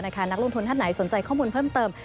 นักลงทุนท่านไหนสนใจข้อมูลเพิ่มเติม